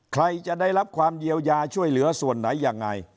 ใครจะได้รับความเยียวยาช่วยเหลือส่วนไหนยังไง